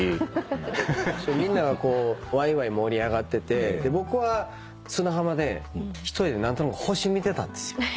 みんながこうワイワイ盛り上がってて僕は砂浜で一人で何となく星見てたんですよ。